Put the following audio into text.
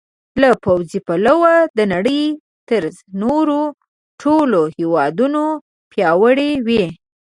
له پوځي پلوه د نړۍ تر نورو ټولو هېوادونو پیاوړي وي.